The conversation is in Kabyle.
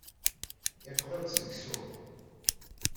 Yeqḍa-d seg ssuq.